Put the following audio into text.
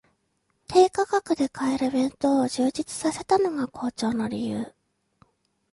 低価格で買える弁当を充実させたのが好調の理由